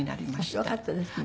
よかったですね。